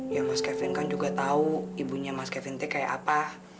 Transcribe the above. ya mas kevin kan juga tahu ibunya mas kevin t kayak apa